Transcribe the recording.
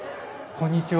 こんにちは。